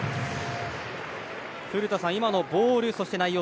古田さん、今のボール内容